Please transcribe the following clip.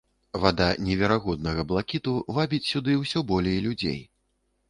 Вада неверагоднага блакіту вабіць сюды ўсё болей людзей.